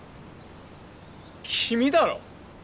君だろ？